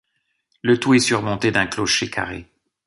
Le tout est surmonté d'un clocher carré.